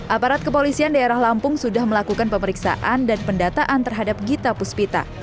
aparat kepolisian daerah lampung sudah melakukan pemeriksaan dan pendataan terhadap gita puspita